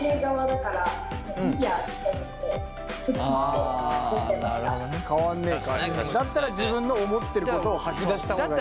でこのままだったら自分の思ってることを吐き出した方がいい。